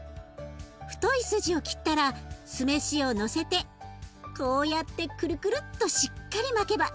太い筋を切ったら酢飯をのせてこうやってクルクルッとしっかり巻けば出来上がり。